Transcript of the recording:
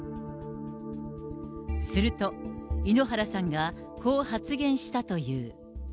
すると、井ノ原さんがこう発言したという。